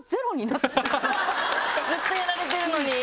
ずっとやられてるのに？